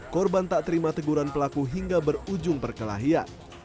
korban tak terima teguran pelaku hingga berujung perkelahian